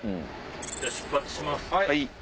じゃあ出発します。